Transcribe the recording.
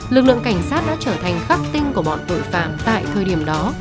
lực lượng cảnh sát đã trở thành khắc tinh của bọn tội phạm tại thời điểm đó